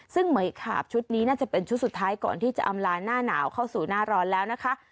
ซึ่งเหมือยขาบชุดนี้น่าจะเป็นชุดสุดท้ายก่อนที่จะอำลาหน้าหนาวเข้าสู่หน้าร้อนแล้วนะคะ